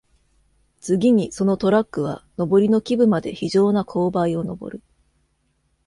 次に、そのトラックは登りの基部まで非常な勾配を登る